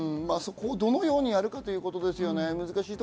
どのようにやるかということですよね。